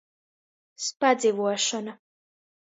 Spadzivuošona.